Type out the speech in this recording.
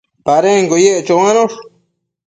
Padenquio yec choanosh